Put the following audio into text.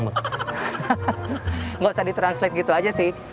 nggak usah ditranslate gitu aja sih